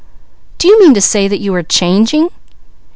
"Do you mean to say that you are changing?"